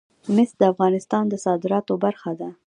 مس د افغانستان د صادراتو برخه ده.